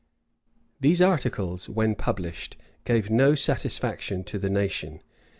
[] These articles, when published, gave no satisfaction to the nation.